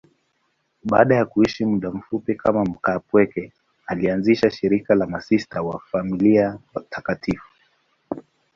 Baada ya kuishi muda mfupi kama mkaapweke, alianzisha shirika la Masista wa Familia Takatifu.